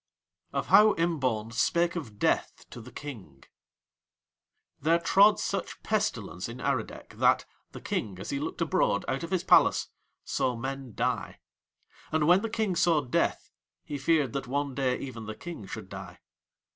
OF HOW IMBAUN SPAKE OF DEATH TO THE KING There trod such pestilence in Aradec that, the King as he looked abroad out of his palace saw men die. And when the King saw Death he feared that one day even the King should die.